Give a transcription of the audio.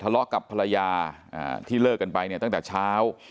ทะเลาะกับภรรยาที่เลิกกันไปเนี่ยตั้งแต่เช้า